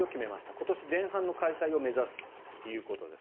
今年前半の開催を目指すということです。